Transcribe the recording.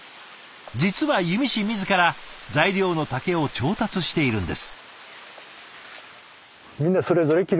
実は弓師自ら材料の竹を調達しているんです。